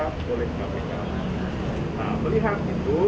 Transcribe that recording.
nah melihat itu berarti mereka tidak akan memberikan kesempatan